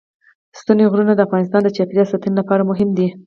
ستوني غرونه د افغانستان د چاپیریال ساتنې لپاره مهم دي.